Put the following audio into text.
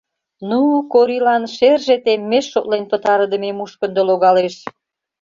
Ну, Корилан шерже теммеш шотлен пытарыдыме мушкындо логалеш.